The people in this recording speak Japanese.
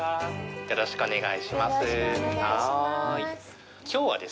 よろしくお願いします。